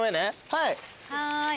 はい。